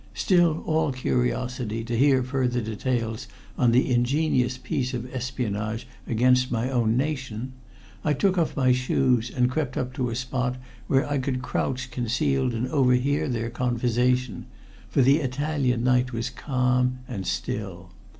Still all curiosity to hear further details on the ingenious piece of espionage against my own nation, I took off my shoes and crept up to a spot where I could crouch concealed and overhear their conversation, for the Italian night was calm and still.